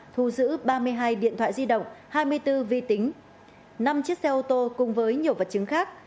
thu giữ ba mươi hai điện thoại di động hai mươi bốn vi tính năm chiếc xe ô tô cùng với nhiều vật chứng khác